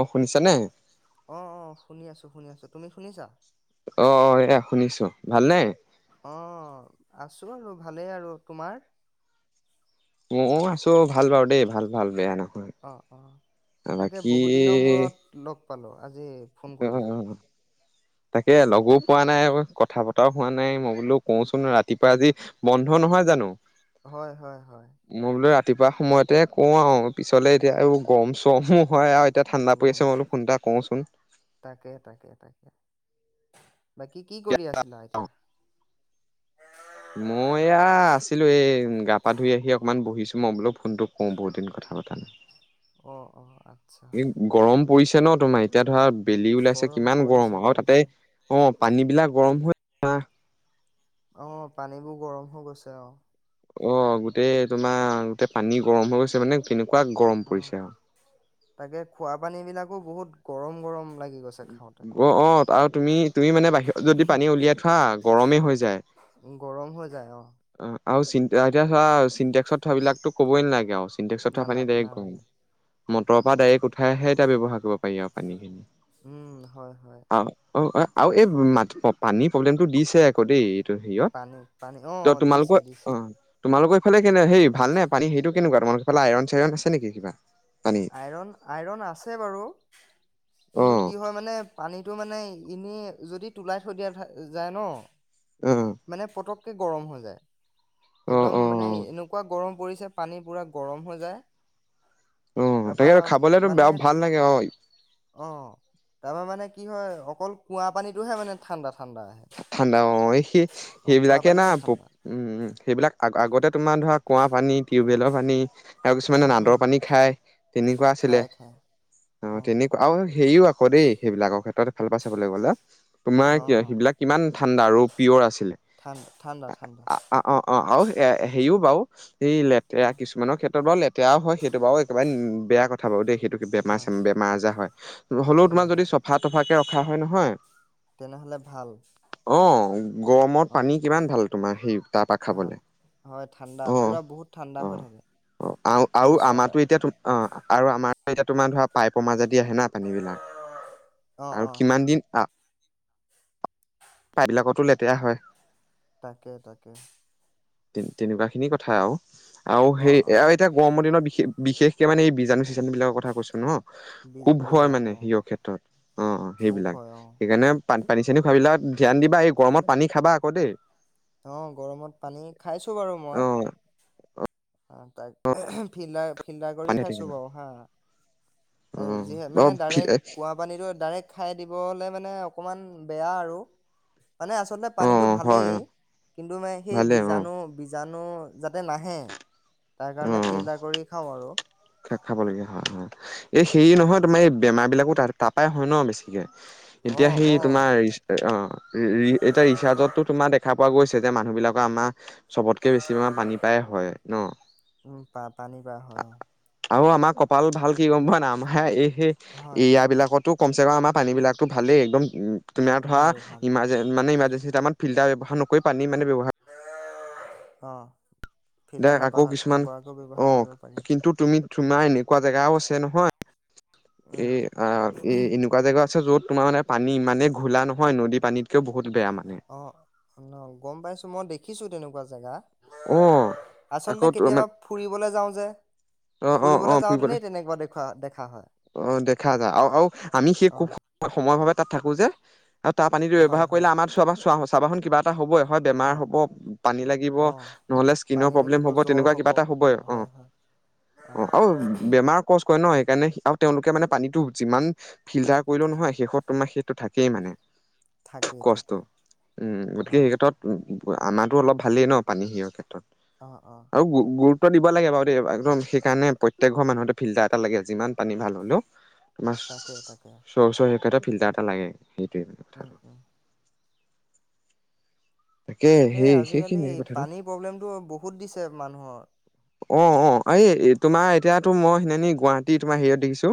অ শুনিছানে অ' অ' শুনি আছো, শুনি আছো। তুমি শুনিছা? অ' এয়া শুনিছো, ভাল নে? অ' আছো আৰু, ভালেই আৰু, তোমাৰ? মইয়ো আছো, ভাল বাওঁ দেই ভাল ভাল বেয়া নহয়। অ-অ। তাকে, বাকী বহুত দিনৰ মূৰত লগ পালো আজি। ফোন কৰিলা [unintelligible] তাকে, লগো পোৱা নাই, কথা পতাও হোৱা নাই, মই বোলো কওঁচোন ৰাতিপুৱা। আজি বন্ধ নহয় জানো? হয়-হয়-হয়। মই বোলো ৰাতিপুৱা সময়তে কওঁ আৰু। পিছলৈ এতিয়া, এই গৰম চৰমো হয় আৰু এতিয়া ঠাণ্ডা পৰি আছে, মই বুলো ফোন এটা কওঁচোন। তাকে-তাকে-তাকে। বাকী, কি কৰি আছা? ছিলা এতিয়া মই এয়া, আছিলো এই গা-পা ধুই আহি অকমান বহিছো, মই বোলো ফোনটো কৰো বহুত দিন কথা পতা নাই। অ অ আচ্ছা এ, গৰম পৰিছ ছে ন তোমাৰ, এতিয়া ধৰা বেলি ওলাইছে গৰম কিমান পৰিছে গৰম আৰু। অ, তাতে পৰিছে অ' পানী বিলাক গৰম হৈ অহ। অ, পানীবোৰ গৰম হৈ গৈছে অ। অ' গোটেই তোমাৰ, গোটেই পানী গৰম হৈ গৈছে। মানে কেনে পোৱে গৰম অ পৰিছে আৰু। তাকে, খোৱা পানী বিলাকো বহুত গৰম-গৰম লাগ অ'-অ' আৰু তুমি তুমি মানে বাহ যদি পানী উলিয়াই থোৱা গৰমে হৈ যায়। উম, গৰম হৈ যায়, অ', অ' আৰু চিনতে, এতিয়া চোৱা চিনটেক্সত থোৱা বিলাকটো কবৈ নালাগে আৰু। ছিণ্টেক্সত থোৱা পানী নালা ডাইৰেক্ট গৰম। নালাগে মটৰ পৰা তাকে ডাইৰেক্ট উঠাইহে এতিয়া ব্যৱহাৰ কৰিব। পাৰি আৰু পানীখিনি। উম হয় হয় [unintelligible] আৰু এই মাত, অ পানীৰ প্ৰব্লেমটো দিছে আকৌ দেই। হেৰিয়ত পানী, পানী। অ ত' দিছে তোমালোকৰ অ, দিছে তোমালোকৰ ফালে কেনে, হে ভাল নে, পানী হেৰিটো কেনেকুৱা? তোমালোকৰ ফালে আইৰন চাইৰন আছে নেকি কিবা? পানী আইৰন, আইৰন আছে বাৰু। অ কিন্তু কি হয় মানে, পানীটো মানে এনেই যদি তোলাই থৈ দিয়া যা-যায় ন? অ মানে পতক ে গৰম হৈ যায়। একদম অ অ মানে এনেকুৱা গৰম পৰিছে পানী পুৰা গৰম হৈ যায়। অ তাৰপা তাকে খাবলেতো মানে, বেয়া ভাল লাগে অ অ' তাৰ পৰা মানে কি হয় অকল কুঁৱা পানীটোহে মানে ঠাণ্ডা। ঠাণ্ডা আহে ঠাণ্ডা অ', সি অ কুঁৱা সেইবিলাকে না, পানীহে ঠাণ্ডা উম, সেইবিলাক আ আগতে তোমাৰ ধৰ কুঁৱা পানী, টিউবৱেলৰ পানী আৰু কিছুমানে নাদৰ উম পানী খায় তেনেকুৱা আছিলে খাই খাই অ তেনেকুৱা আৰু হেৰিও আকৌ দেই সেইবিলাকৰ ক্ষেত্ৰত ভাল পাই চাবলৈ গ'লে। তোমাৰ অ কিয় অ সেইবিলাক কিমান ঠাণ্ডা আৰু পিয়ৰ আছিলে ঠাণ্ডা ঠাণ্ডা ঠাণ্ডা অ অ অ আৰু এ হেৰিও বাৰু- এই অ লেতেৰা কিছুমানৰ ক্ষেত্ৰত ত লেতেৰাও হয় সেইটো বাৰু একেবাৰে বেয়া কথা বাৰু দেই সেইত বেমাৰ হয় চেমা বেমাৰ আজাৰ হয়, হলেও হয় তোমাৰ যদি হয় চফা তফাকে- কা হয় নহয়। তেনেহলে ভাল। অ গৰমত অ পানী কিমান ভাল তোমাৰ সেই তাৰপা ভাল খাবলৈ হয় ঠাণ্ডা অ পুৰা বহুত ঠাণ্ডা অ হৈ থাকে অ আৰু আৰু ফ্ৰেছ ৱাটাৰ। আমাৰো এতিয়া অ। আৰু আমাতকে এতিয়া তোমাৰ ধৰা পাইপৰ মাজদি আহে না পানী বিলাক অ অ আৰু কিমান দিন আহ পাইবিলাকতো লেতেৰা হয়। তাকে তাকে। তেনেকুৱা খিনি কথা আৰু। আৰু অ সেই অ এতিয়া গৰমৰ দিনৰত বিশষ বিশেষকে মানে এই বীজাণু চিজানু কথা কৈছে ন। বীজ খুব হয় বীজাণু মানে অ সিঅ ক্ষেত্ৰত অ পোক সেইবিলাক হয় অ। সেইকাৰণে পান পানী চানী খাবিলাক ধ্যান দিবা এই গৰমত পানী খাবা আকৌ দেই। অ গৰমত পানী খাইছো বাৰু অ মই। অ তাক ফিলাই ফিল্টাৰ কৰি পানী খাইছো থাকিবা বাৰু হা, অ যিহে অ মানে ডাইৰেক্ট কুঁৱা পানীটো ডাইৰেক্ট খাই দিবলৈ মানে অকণমান বেয়া আৰু। মানে আচলতে অ পানীতটো ভালেই হয় অ কিন্তু মানে সেই ভালেই অ বীজাণু বীজাণু নু যাতে নাহে। তাৰ কাৰণে ফিল্টাৰ কৰি খাওঁ আৰু। খাব লাগীয়া হয় হয়। এই হেৰি অ নহয় তোমাৰ এই বেমাৰ বিলাকো তাৰাপাই হয় ন বেছিকে অ এতিয়া সেই অ অ তোমাৰ অ এতিয়া ৰিচাৰজতো তোমাৰ দেখা পোৱা গৈছে যে মানুহবলাকৰ আমাৰ চবতকে বেছিমান পানী পায় হয় ন। উম পা পানী পাৰ হয় আৰু আমাৰ কপাল ভাল কি গম পোৱা না হে এই সেই অ হয় এএয়া বিলাকতো কমচেকম আমাৰ পানীবিলাকতো ভালেই একদম তুমি ধৰা ভাল ভাল ইমাৰজেঞ্চি মানে ইমা দুটামান ফিলটাৰ ব্যৱহাৰ নকৰি পানী মানে ব্যৱহাৰ অহ, দে আকৌ কিছুমান অ' পাৰি কিন্তু তুমি, তোমাৰ এনেকুৱা জেগাও আছে নহয়। উম এ-এ এনেকুৱা জেগা আছে যত তোমাৰ মানে পানী ইমানে ঘোলা নহয়, নদী পানীত কে বহুত বেয়া মানে। অ ন গম পাইছো মই দেখিছো তেনেকুৱা জেগা। অঁ আচলতে কেতিয়াবা ফুৰিবলৈ যাও যে, ফুৰিবলৈ অ'-অ'-অ', যাওঁতেনেই ফুৰিবলে তেনেকুৱা দেখুৱা দেখা হয় অ দেখা যায় আৰু আৰু আমি সেই অ খুব সময় ভাৱে তাত থাকো যে। আৰু তাৰ পানীটো হয় ব্যৱহাৰ হয় কৰিলে আমাৰ চোৱাৰ-চোৱা হৈছে। চাবাচোন কিবা এটা হবই। হয় বেমাৰ অ হ'ব পানী লাগিব অ নহলে স্কিনৰ পানী প্ৰব্লেম লাগিব হ'ব জ্বৰ তেনেকুৱা কিবা এটা হ'বই হয় অ', হয় অ' আৰু বেমাৰ কষ্ট কয় ন সেইকাৰণে আৰু তেওঁলোকে মানে পানীতটো যিমান ফিল্টাৰ কৰিলো নহয় শেষত তোমাৰ সেইটো থাকেই মানে। থাকেই কষ্ট থাকেই উম, গতিকে হয় সেই ক্ষেত্ৰত আমাৰো অলপ ভালেই ন পানী সিহৰ ক্ষেত্ৰত। অ অ আৰু গ দিব লাগে বাৰু দেই। একম সেইকাৰে প্ৰত্যেক ঘৰ মানুহতে ফিল্টাৰ এটা লাগে যিমান। পানী ভাল হ'ল তোমাৰ, তাকে তাকে তাতে ফিলটাৰ এটা লাগে সেইৱে। উম-উম, তাকে সেই আজিকালি সেইখিনিয়ে কথাটো পানীৰ প্ৰব্লেমতটো বহুত হুত দিছে মানুহৰ। অ-অ এই তোমাৰ এতিয়াতো মই সনানি গুৱাহাটী তোমাৰ হেৰিয়াত দেখিছো।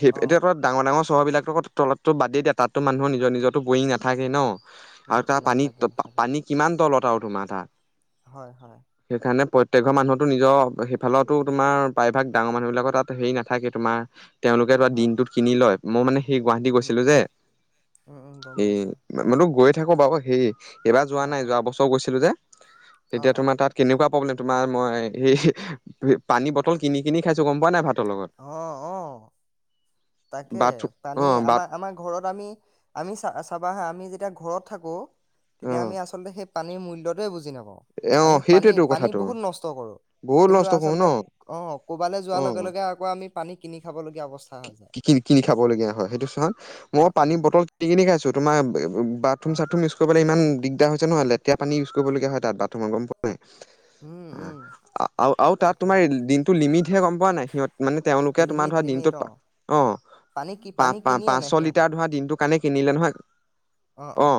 সেই অ এতিয়া তাত ডাঙৰ-ডাঙৰ চহৰবিলাকো তলত বাদ দিয়া তাততো মানুহ নিজৰ-নিজৰো বয়িং নাথাকে ন। উম, আৰু তাৰ নাথাকে নাথাকে পানী-পানী কিমান তলত ত উঠো মাথা। হয় হয় সেইকাৰণে প্ৰত তে ঘৰ মানু নিজৰ সেইফালৰো তোমাৰ প্ৰায়ভাগ ডাঙৰ মানুহ বিলাকৰ তাত হেৰি নাথাকে, তোমাৰ তেওঁলোকে তৰা হয় দিনটোত কিনি লয়, মই মানে সেই গুৱাহাটী উম, গৈছিলো উম, যে, উম, উম, গম এই পাইছোঁ মই তো গৈ থাকো বাৰু সেই এইবাৰ যোৱা অ', নাই, অ', যোৱা বছৰ গৈছিলো যে, অ', তেতিয়া অ', তোমাৰ তাত কেনেকুৱা [unintelligible] মই। পানী বটল কিনি কিনি খাইছো গম পোৱা নাই ভাত। অ', অ'। তাকে বাট অ পানী বাট আমাৰ-আমাৰ ঘৰ ঘৰত আমি-আমি চ-চাবা হা, আমি যেতিয়া ঘৰত থাকো অ তেতিয়া আমি আচলতে সেই পানীৰ মূল্যটোৱে বুজি নাপ অ আমি সেইটোয়েতো পানী-পানী কথাটো বহুত নষ্ট কৰো। বহুত কিন্তু নষ্ট কৰো ন আচলতে অ', কবালৈ যোৱাৰ লগে অ লগে আকৌ আমি পানী কিনি খাবলগীয়া অৱস্থা [unintelligible] কি-কিনি খাবলগীয়া হয় সেইটো, [unintelligible] মই অ', অ', পানীৰ বটল ক-কিনি খাইছো। ত' তোমাৰ বাথৰুম অ', চাথৰুম ইউজ কৰিবলৈ ইমান দিগদাৰ হৈছে নহয়, লেতেৰা পানী ইউজ কৰিবলগীয়া হয় তাত বাথৰুমত গম পোৱা নাই। উম, উম, আৰু-আৰু তাত তাকে তোমাৰ দিনটো লিমিট [unintelligible] গম পোৱা নাই, সিহঁত মানে তেওঁলোকে তোমাৰ লিমিট ধৰা লিমিট দিনটোত অ', পানী কি পানী কিনি আনে পা-পা-পাঁচশ সিহঁতে লিটাৰ ধৰা দিনটোৰ কাৰণে কিনিলে নহয় অ', অ'।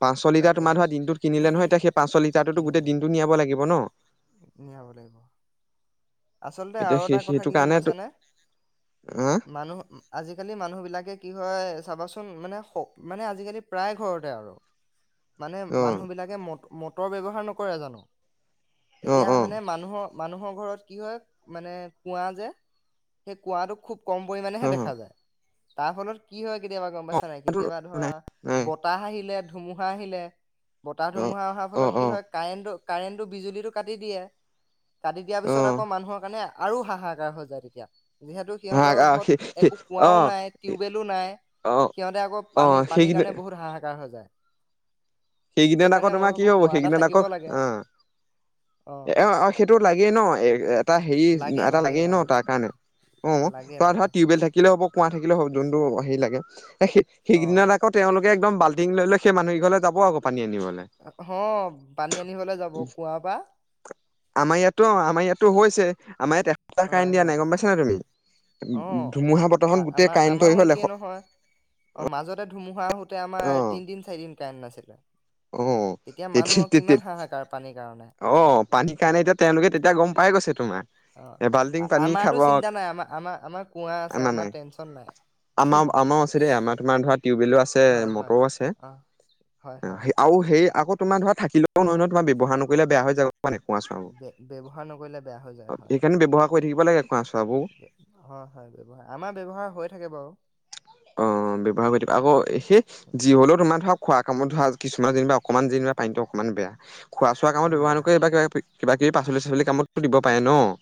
পাঁচশ লিটাৰ তাকে তোমাৰ ধৰা দিনটোত কিনিলে নহয়, এতিয়া এয়া সেই পাঁচশ লিটাৰটোতো গোটেই কেনেকে দিনটো নিয়াব লাগিব ন'। নিয়াব লাগিব। আচলতে এতিয়া আৰু সেই এটা কথা সেইটো কি গম কাৰণে পাইছানে? হা মানুহ, আজি-কালি মানুহ বিলাকে কি হয় চাবাচোন মানে, মানে আজি-কালি প্ৰায় ঘৰতে আৰু মানে অ মানুহ বিলাকে [unintelligible] মটৰ ব্যৱহাৰ নকৰে জানো? অ এতিয়া মানে অ মানুহৰ মানুহৰ ঘৰত। কি হয় মানে কুঁৱা যে সেই কুঁৱাটোক খুব কম পৰিমাণেহে অ দেখা যায়। তাৰ ফলত কি হয় কেতিয়াবা গম পা অ ছানে? কেতিয়াবা ধৰা নাই নাই বতাহ আহিলে ধুমুহা আহিলে। অ বতাহ-ধুমুহা অহাৰ অ ফলত কি অ হয় কাৰেণ্টটো কাৰেণ্টটো বিজুলীটো কাটি দিয়ে। কাটি দিয়াৰ অ পিছত আ কাৰণে আৰু হাহাকাৰ হৈ যায় তেতিয়া। যিহেতু হা সিহঁতৰ সেই ঘৰত একো অ কুঁৱাও নাই টিউৱেলো নাই। অ সিহঁতে আকৌ অ পানী পানীৰ সেইকেইদিন কাৰণে বহুত হাহাকাৰ হৈ যায়। সেইকেইদিনত আকৌ সেইকাৰণে মই তোমাৰ কি ভাবো হ'ব কুঁৱা এটা সেইকেইদিনত থাকিব আকৌ। লাগে অ অহ অ সেইটো লাগেই ন। এটা হেৰি লাগে এটা লাগে লাগেই ন অ তাৰ কাৰণে। অ লাগে তৰা ধৰা লাগে টিউৱেল থাকিলেও হ'ব। কুঁৱা থাকিলেও হ'ব যোনটো হেৰি লাগে। সেই অ সেইকেদিনত আকৌ তেওঁলোকে একদম বাল্টিং লৈ লৈ সেই মানুহ কেইঘৰলে যাব আকৌ। পানী আনিব। হ পানী আনিবলে যাব কুঁৱা পা। টো হৈছে। আমাৰ ইয়াত এসপ্তাহ কাৰেণ্ট দিয়া নাই গম পাইছা নে তুমি? অ ধুমুহা-বতাহত গোটেই আমাৰ কাৰেণ্ট আমাৰো পৰি হ'ল এশ একেই নহয় অ মাজতে ধুমুহা। অ আমাৰ তিনদিন-চাৰিদিন কাৰেণ্ট নাছিলে। অ তেতিয়া মানুহক কিমান হাহাকাৰ পানীৰ কাৰণে অ পানীৰ কাৰণে এতিয়া তেওঁলোকে তেতিয়া গম পাই গৈছে। তোমাৰ। অ এবাল্টিং পানী খাব আমাৰতো চিন্তা নাই আমাৰ আমাৰ আমাৰ কুঁৱা আছে মানে আমাৰ টেনচন নাই আমাৰ হুম আমাৰো আছে দেই আমাৰ তোমাৰ ধৰা টিউবৱেলো আছে হয় মটৰো আছে অ হয় হয় আক তোমাৰ ধৰা থাকিলে নহয় তোমাৰ ব্যৱহাৰ ন ব বেয়া হৈ যাব মানে কুঁৱা চোৱা বে- ব্যৱহাৰ নকৰিলে বেয়া হৈ যায় হয় সেইকাৰণে ব্যৱহাৰ কৰি থাক কৰিব লাগে চাবোৰ বে- হয় হয় ব্যৱহাৰ আমাৰ ব্যৱহাৰ হৈ থাকে বাৰু অ ব্যৱহাৰ কৰি দিব আকৌ সেই উম যি হলেও তোমাৰ ধৰক খোৱা কামত ধৰা কিছুমান যেনিবা অকণমান যেনিবা পানীতটো অকণমান বেয়া খোৱা কোৱা উম, কামতান বেয়া নকৰি কিবা কি কিবা কিবি পাচলি চাচলি কামতো দিব পাৰে ন'।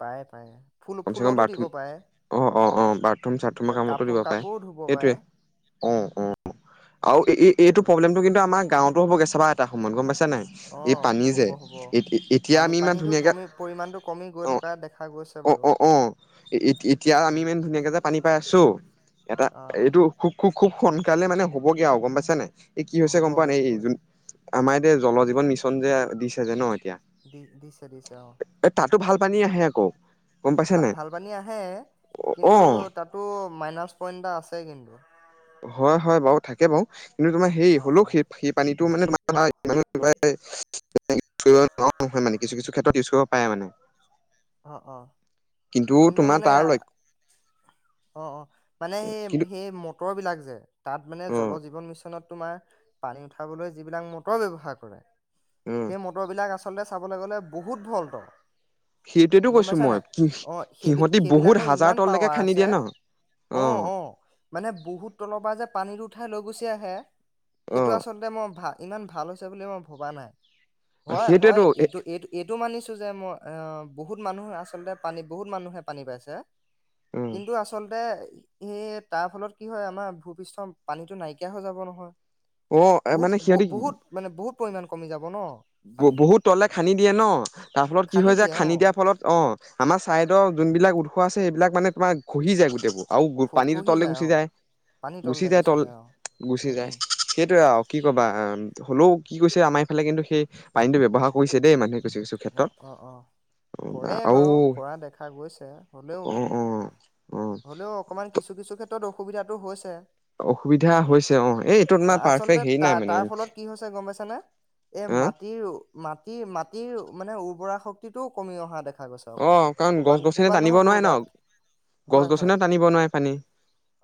পাৰে পাৰে ফুল কমচে কম ফুলতো দিব বাথৰুম পাৰে অ', অ', অ', বাথৰুম চাথৰুমৰ কা- কামতো কাপোৰ দিব পাৰে। কাপোৰো ধুব পাৰে এইটয়ে অ', অ', অ'। [inaudible] এই-এইটো উম, প্ৰব্লেমটোৰ কিন্তু গাঁৱতো [inaudible] চাবা এটা সমান গম পাইছা নাই? অ এই পানী যে, হ'ব হ'ব এ-এতিয়া পানী আমি ইমান পানীটো ধুনীয়াকে কমি পৰিমাণটো কমি গৈ অ', থকা দেখা গৈছে অ', বাৰু অ', অ', এ-এতিয়া আমি উম, ইমান ধুনীয়াকে যে পানী পাই আছোঁ এটা অ এইটো খু খুব সোনকালে মানে হ'বগে আৰু গম পাইছা এই কি অ হৈছে গম পোৱা হ'বগে নে, এই হ'বগে জোন আমাৰ দে জল জীৱ সঞ্জে দিছে যে ন'। এতিয়া দিছে দিছে অ'। টো ভাল পানী আহে আকৌ। গম পাইছা নাই ভা-ভাল পানী আহে, অ কিন্তু তাতো মাইনাচ পইন্ট এটা আছে কিন্তু। হয় হয় বাৰু থাকে বাৰু। কিন্তু তোমাৰ সেই অ হ'লেও অ। সেই সেই পানীটো মা [inaudible] কিছু কিছু ক্ষেত্ৰত ইউজ কৰিব পাৰে মানে। অ', অ', কিন্তু তোমাৰ মানে তাৰ ল অ', অ', মানে সেই কিন্তু সেই ওপৰৰবিলাক যে তাত মানে অ জল জীৱন মিছনত তোমাৰ পানী উঠাবলৈ যিবিলাক মটৰ ব্যৱহাৰ কৰে অ সেই মটৰ বিলাক আ আচলতে চাবলৈ গ'লে বহুত ভল্ডৰ। সেইটোৱেতো গম কৈছো মই পাইছানে কি অ', সিহঁতি বহুত সেই-সেইবিলাকৰ হাজাৰ ইমান তললৈকে পাৱাৰ খান্দি আছে। দিয়ে ন অ', অ', মানে বহুত তলৰ পৰা যে পানীট ঠাই লৈ গুচি আহে। অ সেইটো আচলতে মই ভাল ইমান ভাল হৈছে বুলি মই ভবা নাই। হয় হয় সেইটোৱেতো এ এইটো-এইটো এইটো মান যে মই এ বহুত মানুহে আচলতে পানী বহুত মানুহে পানী পাইছে। উম কিন্তু আচলতে সেয়ে তাৰ ফলত কি হয় আমাৰ, ভূপৃষ্ঠ পানীতো নাইকিয়া হৈ যাব নহয়। অ বহুত মানে ব-বহুত মানে বহুত পৰিমান কমি যাব ন'। পানীটো ব-বহুত তললে খান্দি দিয়ে ন', তাৰ ফলত কি হয় যে দিয়ে অ খান্দি দিয়া অ', আমাৰ ছাইডৰ যোনবিলাক উৎস আছে, সেইবিলাক মানে তোমাৰ ঘহি যায় গোটেইবোৰ। আৰু খ পানীটো খহি তললে গুচি অ যায়। পানী গুচি তললৈ যায় তল, অ গুচি উম যায়। উম সেইটোৱে আৰু কি ক'বা অ'। হ'লেও কি কৈছে আমাৰ এইফালে কিন্তু সেই পানীতটো ব্যৱহাৰ কৰিছে দেই মা অ', অ', অ', কৰে আৰু বাৰু কৰা দেখা গৈছে, হ'লেও অ অ অ হ'লেও অকমান কিছু কিছু [unintelligible] অসুবিধাটো হৈছে। অসুবিধা হৈছে অ', এই-এইটো অ মাৰ আচলতে পাৰফেক্ট হেৰি তাৰ নাই মানে, তাৰ ফলত কি হৈছে গম পাইছানে এই আহ। মাটিৰ মাটিৰ মাটিৰ মানে উৰ্বৰা শক্তিটোও কমি অহা দেখা গৈছে অকমান অ', কাৰণ গছ ক'ৰবাত গছনি ক'ৰবাত টানিব নহয় নোৱাৰে ন, ক'ৰবাত গছ হয় হয় গছনেও টানিব নোৱাৰে পানী,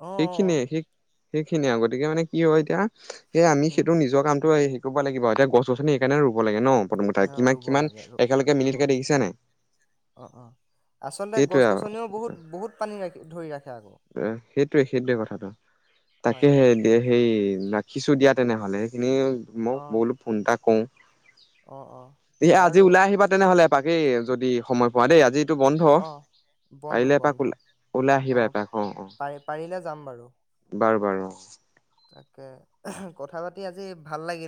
অ অ সেইখিনিয়ে সে-সেইখিনিয়ে আগত গতিকে মানে কি হয় এতিয়া এ, আমি উম সেইটো নিজৰ কামটো [unintelligible] ৰুব লাগিব এতিয়া গছ গছনি সেইকাৰণে ৰুব লাগে ন? প্ৰথম কথা, কিমান, ৰুব কিমান লাগে ৰু একেলগে মিলি ৰুব থাকে লাগে দেখিছা নাই? অ, অ, আচলতে সেইটোৱে গছ গছনিৱেও বহুত, বহুত পানী ধৰি ৰাখে আকৌ উ, সেইটোৱে, সেইটোৱে কথাটো। হয় তাকেহে হয় দে হেই ৰাখিছোঁ দিয়া তেনেহ'লে, সেইখিনিও মই অ বোলো ফোন এটা কৰোঁ অ অ এ, আ, আজি বাৰু ওলাই আহিবা তেনেহলে এপাক, যদি সময় পোৱা দেই, আজি তো বন্ধ, অ বন্ধ পাৰিলে এপাক বন্ধ ওলা, ওলাই অ আহিবা অ অ পাৰি, পাৰিলে যাম বাৰু বাৰু, বাৰু তাকে, কথা পাতি আজি ভাল লাগিল